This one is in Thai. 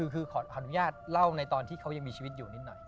คือขออนุญาตเล่าในตอนที่เขายังมีชีวิตอยู่นิดหน่อย